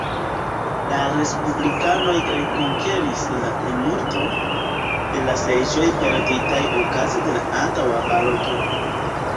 La respublikanoj rekonkeris la plimulto, de la seĝoj perditaj okaze de la antaŭa baloto.